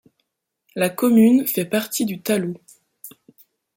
La commune fait partie du Talou.